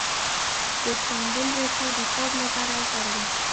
د سنبل ریښه د خوب لپاره وکاروئ